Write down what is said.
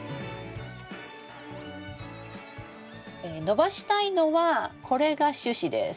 伸ばしたいのはこれが主枝です。